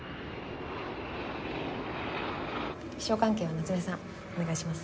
気象関係は夏目さんお願いします。